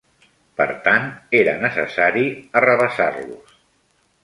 Per tant, era necessari arrabassar-los.